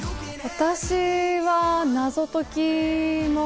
私は謎解きの。